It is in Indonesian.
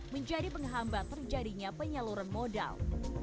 menjadi penghambat terjadinya penyaluran modal